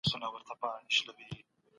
ماشوم اجازه لري استراحت وکړي.